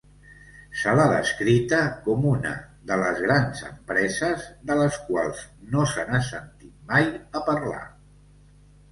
Se l'ha descrita com una de les grans empreses de les quals no se n'ha sentit mai a parlar.